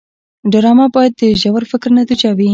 ډرامه باید د ژور فکر نتیجه وي